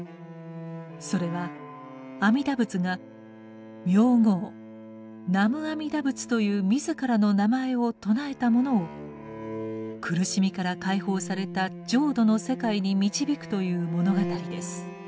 それは阿弥陀仏が名号「南無阿弥陀仏」という自らの名前を称えた者を苦しみから解放された浄土の世界に導くという物語です。